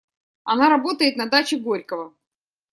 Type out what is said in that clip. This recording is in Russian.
Она работает на даче Горького.